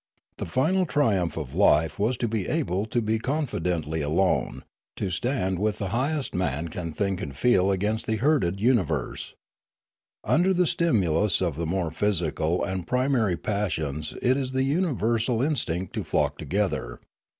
The final triumph of life was to be able to be confidently alone, to stand with the highest man 35 36 Limanora can think and feel against the herded universe. Under the stimulus of the more physical and primary passions it is the universal instinct to flock together.